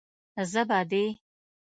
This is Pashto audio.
زه به دې.